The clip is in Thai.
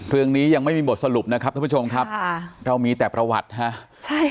เรื่องนี้ยังไม่มีบทสรุปนะครับท่านผู้ชมครับค่ะเรามีแต่ประวัติฮะใช่